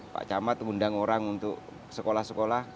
pak camat mengundang orang untuk sekolah sekolah